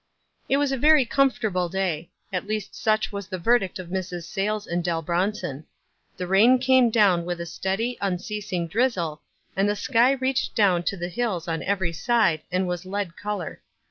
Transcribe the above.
It was a very comfortable day ; at least such was the verdict of Mrs. Sayles and Dell Bron son. The rain came down with a steady, un ceasing drizzle, and the sky reached down to the hills on every side, and was lead color.